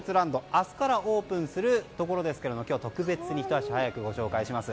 明日からオープンするところですが今日は特別にひと足早くご紹介します。